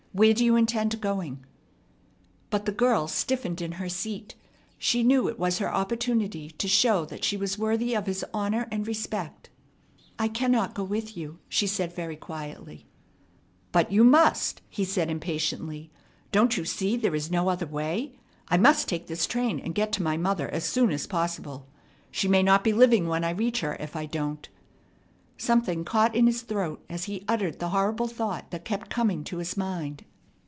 Where do you intend going?" But the girl stiffened in her seat. She knew it was her opportunity to show that she was worthy of his honor and respect. "I cannot go with you," she said very quietly. "But you must," said he impatiently. "Don't you see there is no other way? I must take this train and get to my mother as soon as possible. She may not be living when I reach her if I don't." Something caught in his throat as he uttered the horrible thought that kept coming to his mind.